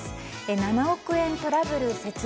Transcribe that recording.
７億円トラブル説明。